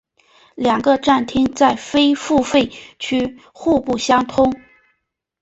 两个站厅在非付费区互不相通。